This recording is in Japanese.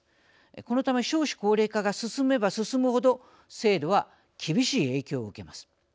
このため少子高齢化が進めば進むほど制度は厳しい影響を受けます。